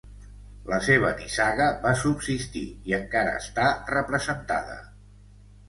La seva nissaga va subsistir i encara està representada.